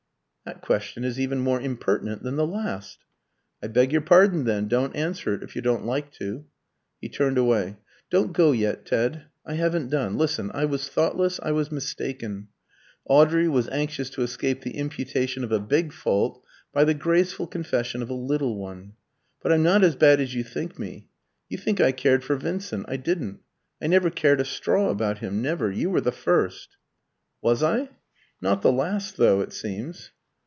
"That question is even more impertinent than the last." "I beg your pardon then. Don't answer it, if you don't like to." He turned away. "Don't go yet, Ted. I haven't done. Listen. I was thoughtless, I was mistaken" (Audrey was anxious to escape the imputation of a big fault by the graceful confession of a little one), "but I'm not as bad as you think me. You think I cared for Vincent. I didn't. I never cared a straw about him never. You were the first." "Was I? Not the last though, it seems."